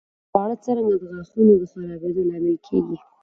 خواړه څرنګه د غاښونو د خرابېدو لامل کېږي؟